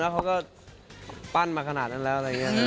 เขาก็ปั้นมาขนาดนั้นแล้ว